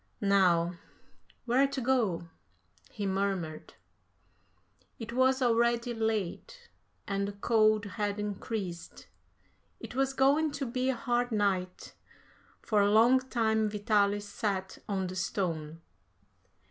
Now, where to go?" he murmured. It was already late and the cold had increased. It was going to be a hard night. For a long time Vitalis sat on the stone.